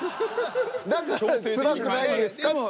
だからつらくないですかっていう。